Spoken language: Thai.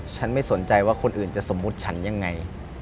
ฉันไม่สนใจว่าคนอื่นจะสมมุติฉันยังไง